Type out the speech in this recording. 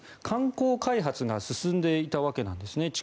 観光開発が進んでいたわけなんですね。